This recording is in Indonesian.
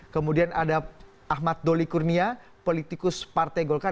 kemudian ada ahmad doli kurnia politikus partai golkar